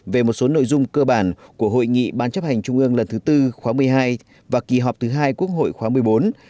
về một số nội dung cơ bản của hội nghị ban chấp hành trung ương lần thứ tư khóa một mươi hai và kỳ họp thứ hai quốc hội khóa một mươi bốn